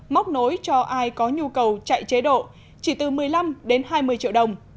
móc nối cho ai có nhu cầu chạy chế độ chỉ từ một mươi năm đến hai mươi triệu đồng